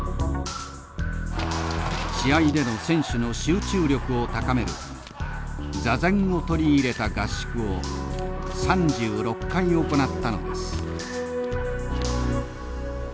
試合での選手の集中力を高めるために座禅を取り入れた合宿を３６回行ったのです。